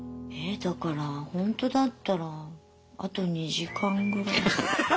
だからほんとだったらあと２時間ぐらい。